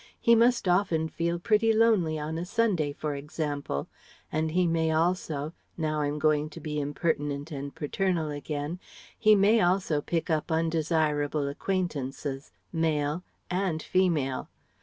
He must often feel pretty lonely on a Sunday, for example. And he may also now I'm going to be impertinent and paternal again he may also pick up undesirable acquaintances, male and female.